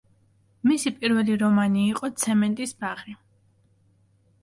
მისი პირველი რომანი იყო „ცემენტის ბაღი“.